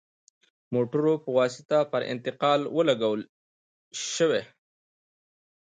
موټرو په واسطه پر انتقال ولګول شوې.